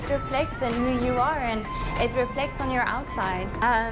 ฉันคิดว่าเมืองนี้เป็นภาพที่เติม